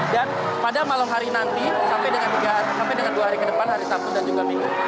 dan pada malam hari nanti sampai dengan dua hari ke depan hari sabtu dan juga minggu